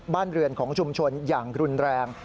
บ้านเรือนของชุมชนอย่างรุนแรง